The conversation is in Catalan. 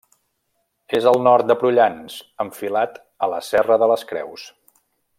És al nord de Prullans, enfilat a la Serra de les Creus.